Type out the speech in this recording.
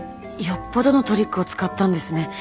よっぽどのトリックを使ったんですね。